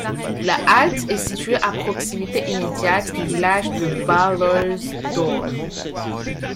La halte est située à proximité immédiate du village de Ballersdorf.